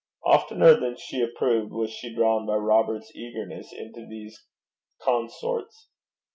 Oftener than she approved was she drawn by Robert's eagerness into these consorts.